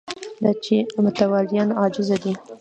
دا چې متولیان عاجزه دي